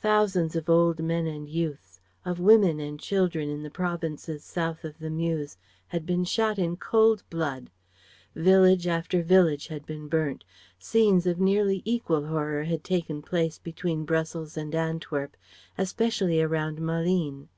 Thousands of old men and youths, of women and children in the provinces south of the Meuse had been shot in cold blood; village after village had been burnt. Scenes of nearly equal horror had taken place between Brussels and Antwerp, especially around Malines.